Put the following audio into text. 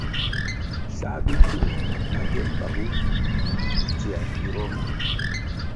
Sā bikil na gye mpagu tsiē mpiroh ma.